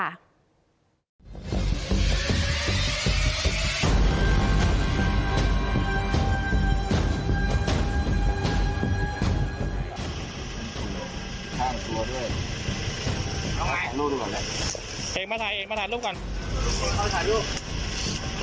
เอาไงลูกดูกันเลยเองมาถ่ายเองมาถ่ายรูปกันเอาถ่ายรูป